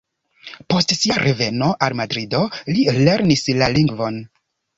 Post sia reveno al Madrido, li lernis la lingvon.